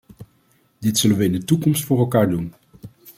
Dit zullen we in de toekomst voor elk jaar doen.